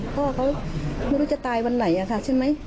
พ่อเขาไม่รู้จะตายวันไหนอะค่ะใช่ไหม